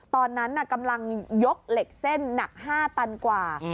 ตอนนั้นกำลังยกเหล็กเส้นหนัก๕ตันกว่า